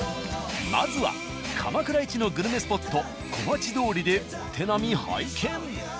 まずは鎌倉イチのグルメスポット小町通りでお手並み拝見。